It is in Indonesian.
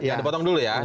yang dipotong dulu ya